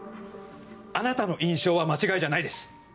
あなたの印象は間違いじゃないです。